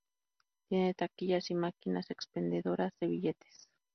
Tiene taquillas y máquinas expendedoras de billetes.